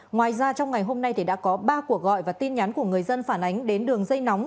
ngoài ra trong ngày hôm nay đã có ba cuộc gọi và tin nhắn của người dân phản ánh đến đường dây nóng